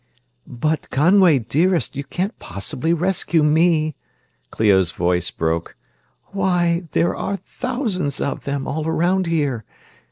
"But Conway, dearest, you can't possibly rescue me," Clio's voice broke. "Why, there are thousands of them, all around here.